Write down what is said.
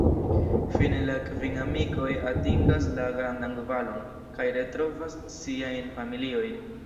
Fine la kvin amikoj atingas la "Grandan Valon" kaj retrovas siajn familiojn.